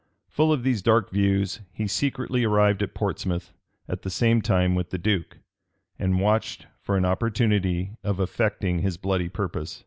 [*] Full of these dark views, he secretly arrived at Portsmouth at the same time with the duke, and watched for an opportunity of effecting his bloody purpose.